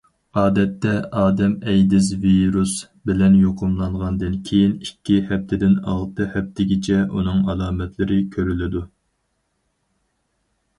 ئادەتتە، ئادەم ئەيدىز ۋىرۇسى بىلەن يۇقۇملانغاندىن كېيىن ئىككى ھەپتىدىن ئالتە ھەپتىگىچە ئۇنىڭ ئالامەتلىرى كۆرۈلىدۇ.